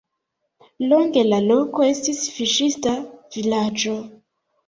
Longe la loko estis fiŝista vilaĝo.